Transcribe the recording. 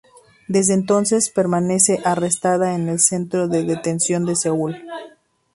Desde entonces permanece arrestada en el Centro de Detención de Seúl.